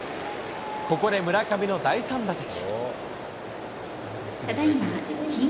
ここで村上の第３打席。